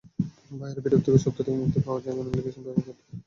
বাইরের বিরক্তিকর শব্দ থেকে মুক্তি পাওয়া যায় এমন অ্যাপ্লিকেশন ব্যবহার করতে পারেন।